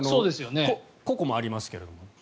個々もありますけど。